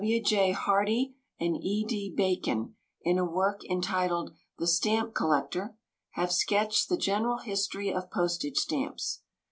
W. J. Hardy and E. D. Bacon, in a work entitled The Stamp Collector, have sketched the general history of postage stamps.